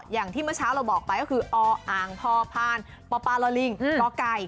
อย่างที่เมื่อเช้าเราบอกไปก็คือออพพปลลก